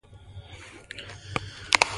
ډیجیټل بانکوالي د سوداګرو ترمنځ ډاډ رامنځته کوي.